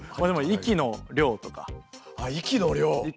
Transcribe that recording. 息の量。